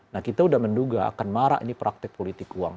nah kita sudah menduga akan marah ini praktek politik uang